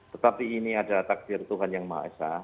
tetapi ini adalah takdir tuhan yang maha esa